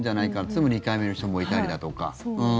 それでも２回目の人もいたりだとか。